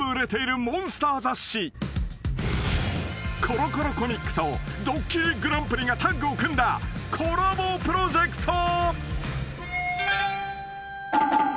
［『コロコロコミック』と『ドッキリＧＰ』がタッグを組んだコラボプロジェクト］